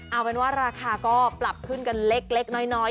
เอาเป็นว่าราคาก็ปรับขึ้นกันเล็กน้อย